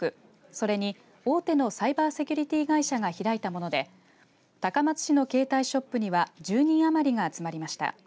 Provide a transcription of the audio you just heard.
それに、大手のサイバーセキュリティー会社が開いたもので高松市の携帯ショップには１０人余りが集まりました。